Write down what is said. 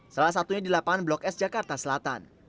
salah satunya di lapangan blok s jakarta selatan